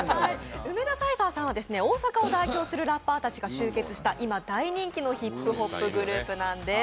梅田サイファーさんは大阪を代表するラッパーたちが集結した今、大人気のヒップホップグループなんです。